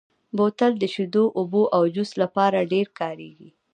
بوتل د شیدو، اوبو او جوس لپاره ډېر کارېږي.